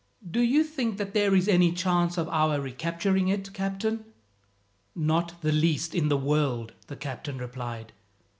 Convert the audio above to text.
"Do you think that there is any chance of our recapturing it, captain?" "Not the least in the world," the captain replied.